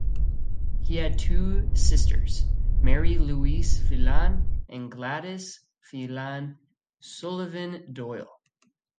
He had two sisters, Mary Louis Phelan and Gladys Phelan Sullivan Doyle.